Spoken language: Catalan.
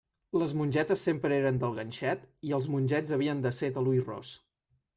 Les mongetes sempre eren del ganxet i els mongets havien de ser de l'ull ros.